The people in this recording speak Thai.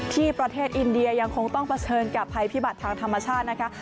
ที่ประเทศอินเดียยังคงต้องเผชิญกับภัยพิบัติทางธรรมชาตินะคะ